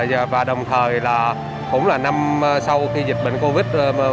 và đồng thời là cũng là năm sau khi dịch bệnh covid một mươi chín